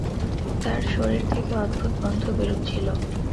তার শরীর থেকে অদ্ভুত গন্ধ বেরুচ্ছিলো।